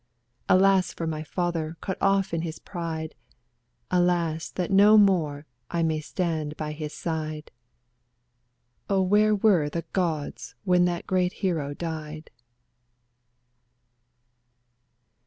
Alas for my father, cut off in his pride! Alas that no more I may stand by his side ! Oh where were the gods when that great hero died?